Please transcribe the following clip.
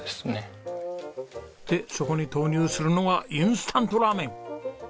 でそこに投入するのがインスタントラーメン！